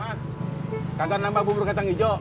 mas kagak nambah bumbu katang hijau